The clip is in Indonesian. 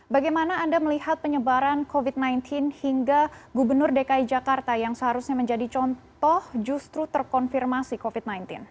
bagaimana anda melihat penyebaran covid sembilan belas hingga gubernur dki jakarta yang seharusnya menjadi contoh justru terkonfirmasi covid sembilan belas